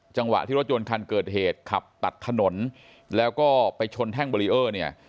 จังหวะที่รถยนต์คันเกิดเหตุขับตัดถนนแล้วก็ไปชนแท่งเบรีเออร์เนี่ย